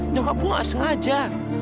nyokap gue gak sengaja